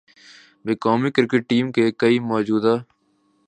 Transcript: بعد قومی cricket team کے کئی موجودہ